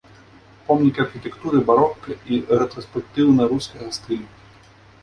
Помнік архітэктуры барока і рэтраспектыўна-рускага стылю.